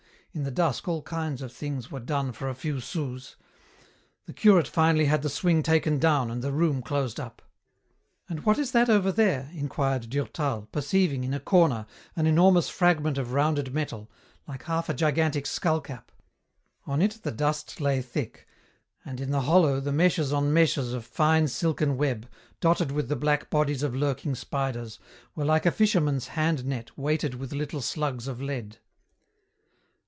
In the dusk all kinds of things were done for a few sous. The curate finally had the swing taken down and the room closed up." "And what is that over there?" inquired Durtal, perceiving, in a corner, an enormous fragment of rounded metal, like half a gigantic skull cap. On it the dust lay thick, and and in the hollow the meshes on meshes of fine silken web, dotted with the black bodies of lurking spiders, were like a fisherman's hand net weighted with little slugs of lead.